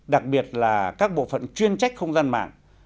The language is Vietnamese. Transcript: đặc biệt là các bộ phận chuyên trách không gian mạng